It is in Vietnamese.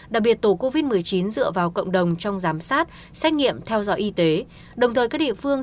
đặc biệt tổ covid một mươi chín dựa vào cộng đồng trong giám sát xét nghiệm theo dõi y tế đồng thời các địa phương